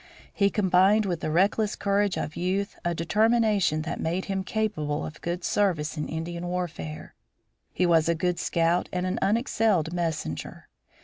He combined with the reckless courage of youth a determination that made him capable of good service in Indian warfare. He was a good scout and an unexcelled messenger.